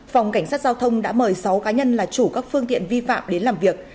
phòng cảnh sát giao thông đã mời sáu cá nhân là chủ các phương tiện vi phạm đến làm việc